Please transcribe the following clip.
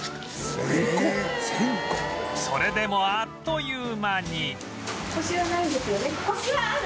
それでもあっという間に